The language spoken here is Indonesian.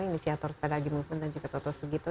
inisiator sepeda agy movement dan juga toto sugito